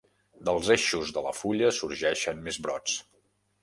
Dels eixos de la fulla sorgeixen més brots.